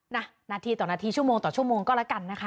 นาทีต่อนาทีชั่วโมงต่อชั่วโมงก็แล้วกันนะคะ